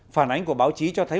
phản ánh của báo chí cho thấy